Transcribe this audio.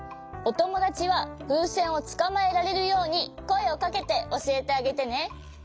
おともだちはふうせんをつかまえられるようにこえをかけておしえてあげてね！